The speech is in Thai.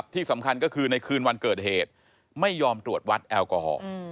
ที่สำคัญก็คือในคืนวันเกิดเหตุไม่ยอมตรวจวัดแอลกอฮอล์